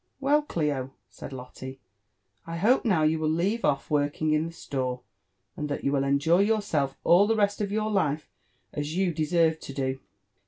Well, Clio," said Lolte, I hope now you will leave off working in the store, and that you will enjoy yourself all the rest of your life, as you deserve to do."